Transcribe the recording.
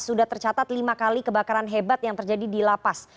sudah tercatat lima kali kebakaran hebat yang terjadi di lapas